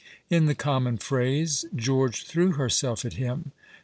In the common phrase, George threw herself at him.